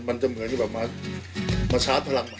มันจะเหมือนที่แบบมาชาร์จพลังมัน